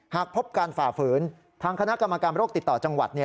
หากพบการฝ่าฝืนทางคณะกรรมการโรคติดต่อจังหวัด